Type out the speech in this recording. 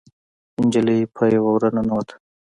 نجلۍ په يوه وره ننوته.